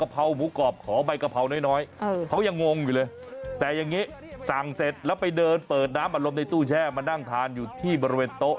เปิดน้ำอารมณ์ในตู้แช่มานั่งทานอยู่ที่บริเวณโต๊ะ